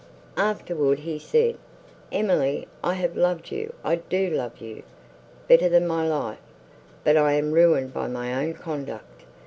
Afterward, he said, "Emily, I have loved you—I do love you, better than my life; but I am ruined by my own conduct.